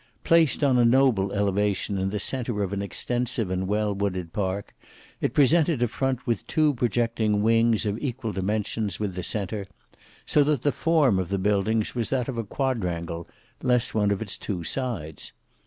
Placed on a noble elevation in the centre of an extensive and well wooded park, it presented a front with two projecting wings of equal dimensions with the centre, so that the form of the building was that of a quadrangle, less one of its sides.